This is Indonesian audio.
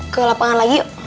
ke lapangan lagi yuk